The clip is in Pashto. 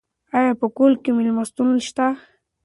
ایا په کلي کې مېلمستون شته؟